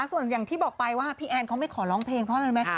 ส่วนอย่างที่บอกไปว่าพี่แอนเขาไม่ขอร้องเพลงเพราะอะไรไหม